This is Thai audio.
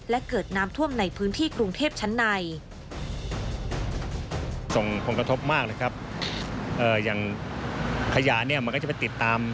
และเกิดน้ำท่วมในพื้นที่กรุงเทพชั้นใน